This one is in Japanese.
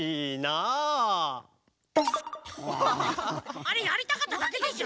あれやりたかっただけでしょ。